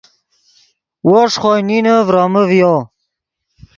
وو ݰے خوئے نینے ڤرومے ڤیو